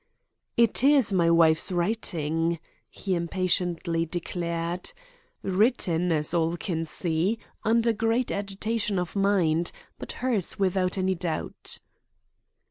"It is my wife's writing," he impatiently declared. "Written, as all can see, under great agitation of mind, but hers without any doubt."